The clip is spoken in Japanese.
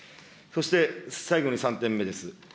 そして最後に３点目です。